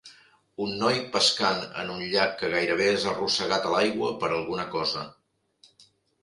Un noi pescant en un llac que gairebé és arrossegat a l'aigua per alguna cosa.